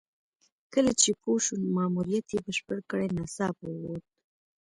کله چې پوه شو ماموریت یې بشپړ کړی ناڅاپه ووت.